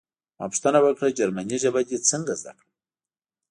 ما پوښتنه وکړه چې جرمني ژبه دې څنګه زده کړه